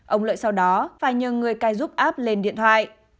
ông lợi sau đó phải nhờ người cai giúp app lên điện thoại